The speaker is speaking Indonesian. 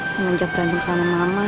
semenjak rencana mama